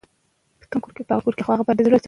غازیان پر انګریزانو غالبېدلې وو.